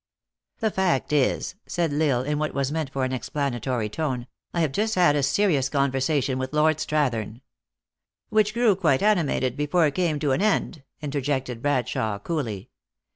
" The fact is," said L Isle, in what was meant for an explanatory tone, " I have just had a serious con versation with Lord Strathern "" Which grew quite animated before it came to an end," interjected Bradshawe, coolly.